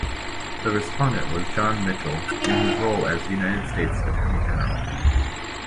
The respondent was John Mitchell in his role as United States Attorney General.